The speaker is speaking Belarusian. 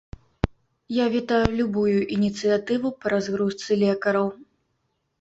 Я вітаю любую ініцыятыву па разгрузцы лекараў.